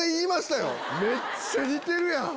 めっちゃ似てるやん！